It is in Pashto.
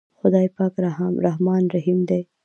خداے پاک رحمان رحيم دے۔